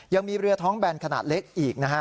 ยังมีเรือท้องแบนขนาดเล็กอีกนะฮะ